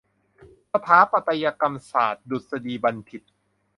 สถาปัตยกรรมศาสตรดุษฎีบัณฑิต